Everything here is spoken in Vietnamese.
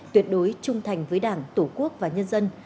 tuyệt đối trung thành với đảng tổ quốc và nhân dân